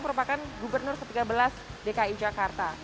merupakan gubernur ke tiga belas dki jakarta